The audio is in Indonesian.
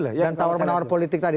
dan tawar menawar politik tadi